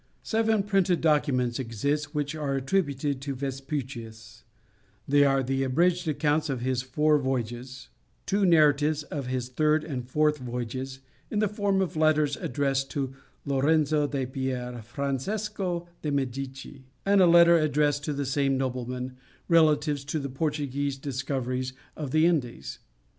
Seven printed documents exist which are attributed to Vespucius; they are the abridged accounts of his four voyages, two narratives of his third and fourth voyages, in the form of letters, addressed to Lorenzo de Pier Francesco de Medici, and a letter addressed to the same nobleman, relative to the Portuguese discoveries in the Indies.